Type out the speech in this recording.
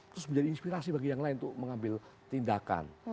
terus menjadi inspirasi bagi yang lain untuk mengambil tindakan